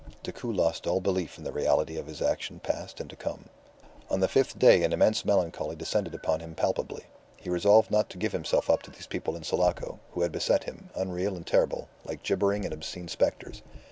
Decoud lost all belief in the reality of his action past and to come. On the fifth day an immense melancholy descended upon him palpably. He resolved not to give himself up to these people in Sulaco, who had beset him, unreal and terrible, like jibbering and obscene spectres.